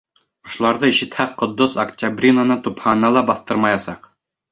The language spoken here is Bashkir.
Ошоларҙы ишетһә, Ҡотдос Октябринаны тупһаһына ла баҫтырмаясаҡ!